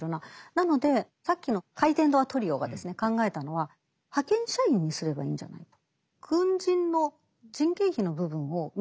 なのでさっきの回転ドアトリオが考えたのは派遣社員にすればいいんじゃないと。